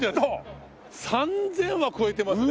３０００は超えてますね。